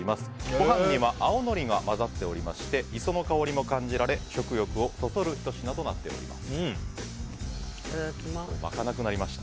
ご飯には青のりが混ざっておりまして磯の香りも感じられ食欲をそそるひと品となっています。